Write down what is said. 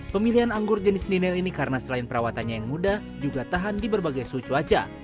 pemilihan anggur jenis ninel ini karena selain perawatannya yang mudah juga tahan di berbagai suhu cuaca